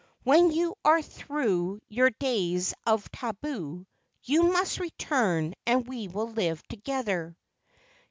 When you are through your days of tabu you must return and we will live together."